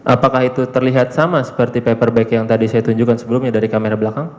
apakah itu terlihat sama seperti paper bag yang tadi saya tunjukkan sebelumnya dari kamera belakang